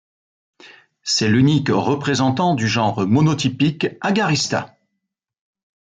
C'est l'unique représentant du genre monotypique Agarista.